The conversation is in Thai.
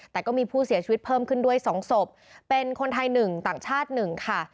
แต่ก็มีผู้เสียชีวิตเพิ่มขึ้นด้วย๒ศพเป็นคนไทย๑ต่างชาติ๑ค่ะ